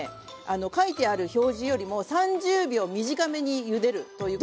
書いてある表示よりも３０秒短めにゆでるということを。